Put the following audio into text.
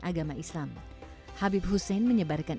agama islam habib hussein menyebarkan